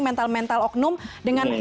mental mental oknum dengan